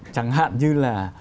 chẳng hạn như là